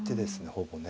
ほぼね。